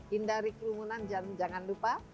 hindari kerumunan jangan lupa